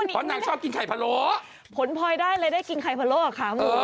เพราะนางชอบกินไข่พะโล้ผลพลอยได้เลยได้กินไข่พะโล้เหรอคะหมอ